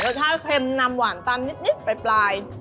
รสชาติเค็มนำหวานตามนิดปลาย